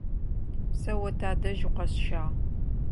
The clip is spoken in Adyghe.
Сэ о тадэжь укъэсщагъ.